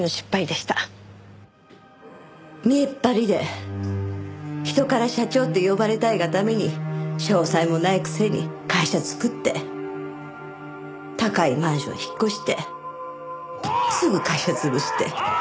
見えっ張りで人から社長って呼ばれたいがために商才もないくせに会社作って高いマンションに引っ越してすぐ会社潰して。